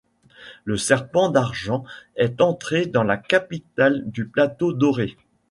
Le Serpent d’Argent est entré dans la capitale du Plateau-Doré.